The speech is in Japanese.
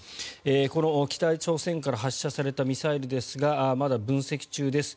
この北朝鮮から発射されたミサイルですがまだ分析中です。